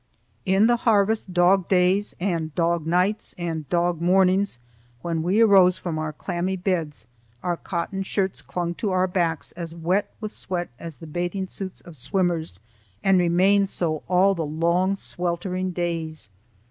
In the harvest dog days and dog nights and dog mornings, when we arose from our clammy beds, our cotton shirts clung to our backs as wet with sweat as the bathing suits of swimmers, and remained so all the long, sweltering days.